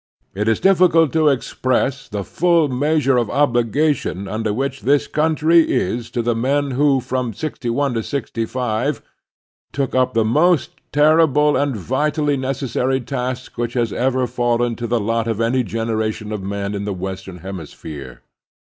It is difficult to express the full measure of obligation under which this cotmtry is to the men who from *6i to '65 took up the most terrible and vitally necessary task which has ever fallen to the H9 ^50 The Strenuous Life lot of any generation of men in the western hemi sphere.